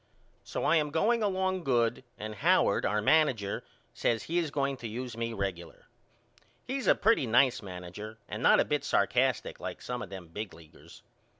So I am going along good and Howard our manager says he is going to use me regular. He's a pretty nice manager and not a bit sarkastic like some of them big leaguers.